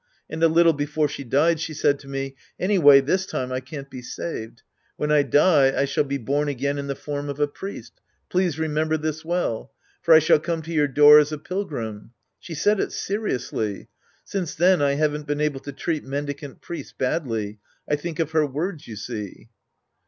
And a little before slie died, she said to me, " Anyway this time I can't be saved. When I die I shall be bom again in the form of a priest. Please remember this well. For I shall come to your door as a pilgrim." She said it seriously. Since then I haven't been able to treat mendicant priests badly. I think of her words, you see.